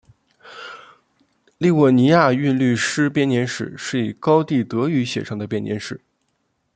利沃尼亚韵律诗编年史是以高地德语写成的编年史。